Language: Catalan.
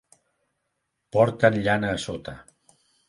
Porten llana a sota.